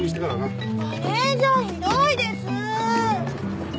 マネジャーひどいです。